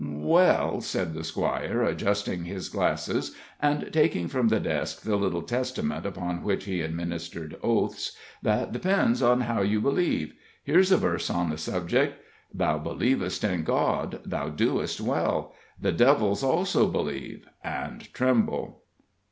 "Well," said the Squire, adjusting his glasses, and taking from the desk the little Testament upon which he administered oaths, "that depends on how you believe. Here's a verse on the subject: 'Thou believest in God; thou doest well; the devils also believe, and tremble.'"